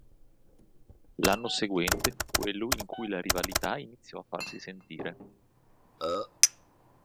L'anno seguente fu quello in cui la rivalità iniziò a farsi sentire.